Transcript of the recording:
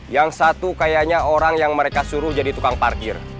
yang satu kayaknya orang yang mereka suruh jadi tukang parkir